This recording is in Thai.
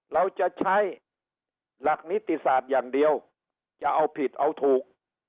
เราจะใช้หลักนิติศาสตร์อย่างเดียวจะเอาผิดเอาถูก